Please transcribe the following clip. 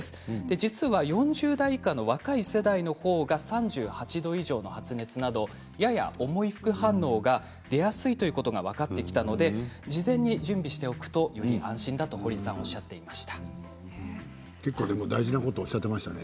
実は４０代以下の若い世代のほうが３８度以上の発熱などやや重い副反応が出やすいということが分かってきたので事前に準備しておくとより安心だと、堀さんは結構、大事なことをおっしゃっていましたね。